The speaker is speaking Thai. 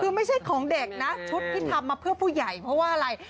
คือไม่ใช่ของเด็กนะชุดที่ทำมาเพื่อผู้ใหญ่เพราะว่าอะไร